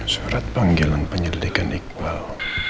surat panggilan penyelidikan iqbal